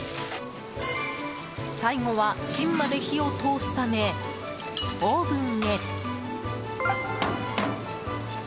最後は芯まで火を通すためオーブンへ。